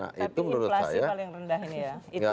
tapi inflasi paling rendah ini ya